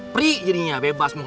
pri jadinya bebas